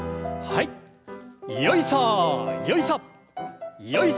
はい。